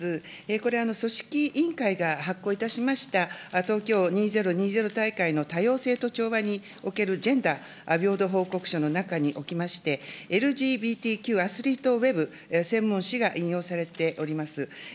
これ、組織委員会が発行いたしました、東京２０２０大会の多様性と調和におけるジェンダー平等報告書の中におきまして、ＬＧＢＴＱアスリートウェブ専門しが引用されております。